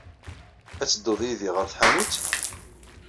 Ad teddud yid-i ɣer tḥanut?